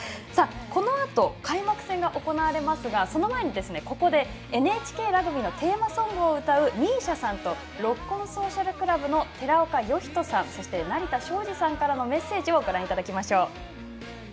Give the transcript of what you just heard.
このあと開幕戦が行われますがその前に、ここでＮＨＫラグビーのテーマソングを歌うＭＩＳＩＡさんとＲｏｃｋｏｎＳｏｃｉａｌＣｌｕｂの寺岡呼人さんそして成田昭次さんからのメッセージをご覧ください。